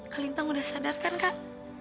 kak lintang udah sadar kan kak